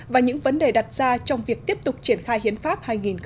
và những vấn đề đặt ra trong việc tiếp tục triển khai hiến pháp hai nghìn một mươi ba